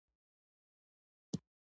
اووم لوست غوریان او خوارزم شاهان دي.